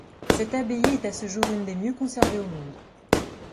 Cette abbaye est à ce jour une des mieux conservées au monde.